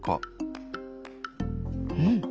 うん！